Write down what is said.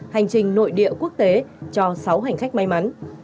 hành trình nội địa quốc tế cho sáu hành khách may mắn